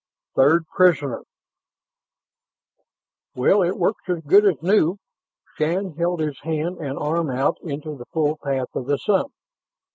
16. THIRD PRISONER "Well, it works as good as new." Shann held his hand and arm out into the full path of the sun.